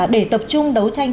để tập trung đấu tranh